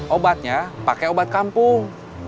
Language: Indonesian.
obatnya pakai obat kampung